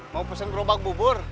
mau pesen robak bubur